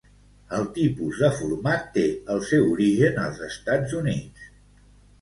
El tipus de format té el seu origen als Estats Units.